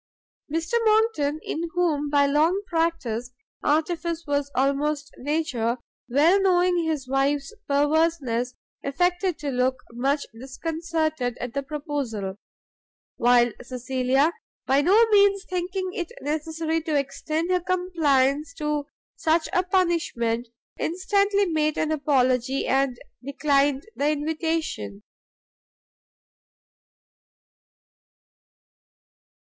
Mr Monckton, in whom by long practice, artifice was almost nature, well knowing his wife's perverseness, affected to look much disconcerted at the proposal; while Cecilia, by no means thinking it necessary to extend her compliance to such a punishment, instantly made an apology, and declined the invitation.